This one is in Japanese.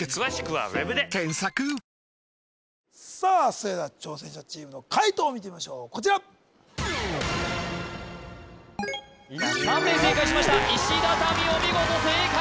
それでは挑戦者チームの解答を見てみましょうこちら３名正解しましたいしだたみお見事正解